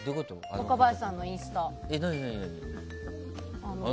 若林さんのインスタ。